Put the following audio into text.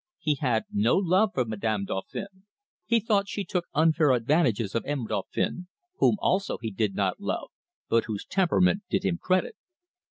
He had no love for Madame Dauphin. He thought she took unfair advantages of M. Dauphin, whom also he did not love, but whose temperament did him credit.